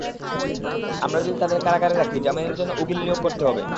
আমরা যদি তাদের কারাগারে রাখি, জামিনের জন্য উকিল নিয়োগ করতে হবে।